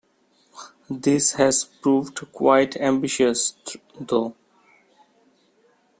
This has proved quite ambitious, though.